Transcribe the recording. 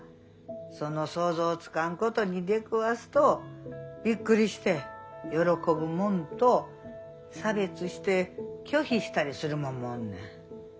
その想像つかんことに出くわすとびっくりして喜ぶもんと差別して拒否したりするもんもおんねん。